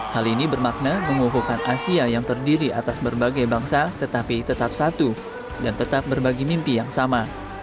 hal ini bermakna mengukuhkan asia yang terdiri atas berbagai bangsa tetapi tetap satu dan tetap berbagi mimpi yang sama